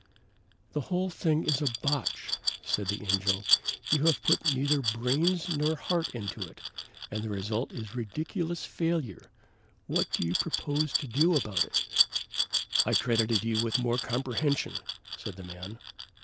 "The whole thing is a botch," said the Angel. "You have put neither brains nor heart into it, and the result is ridiculous failure. What do you propose to do about it?" "I credited you with more comprehension," said the man.